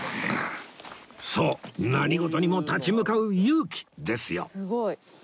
そう何事にも立ち向かう勇気ですよ